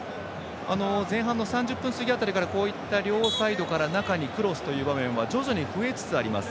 前半の３０分過ぎから両サイドから中にクロスという場面は徐々に増えつつあります